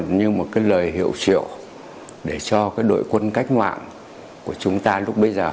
như một cái lời hiệu triệu để cho cái đội quân cách mạng của chúng ta lúc bây giờ